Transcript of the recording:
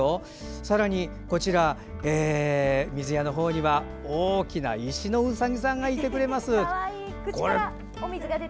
さらに、水屋のほうには大きな石のウサギさんがいますって。